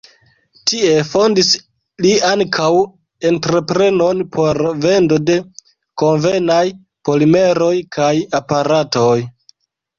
Tie fondis li ankaŭ entreprenon por vendo de konvenaj polimeroj kaj aparatoj.